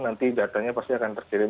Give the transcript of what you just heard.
nanti datanya pasti akan terkirim